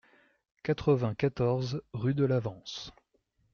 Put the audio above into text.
quatre-vingt-quatorze rue de l'Avance